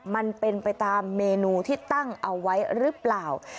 มันเป็นไปตามเมนูที่ตั้งเอาไว้หรือเปล่า